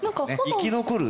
生き残る？